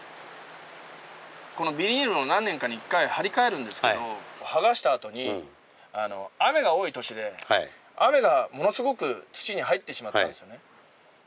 このビニールを何年かに一回張り替えるんですけど剥がしたあとに雨が多い年で雨がものすごく土に入ってしまったんですよね。